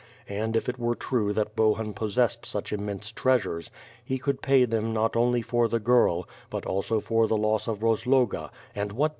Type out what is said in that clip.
And if it were true that Bohun possessed such immense treasures, he could pay them not only for the girl, but also for the loss of Rozloga, and what then?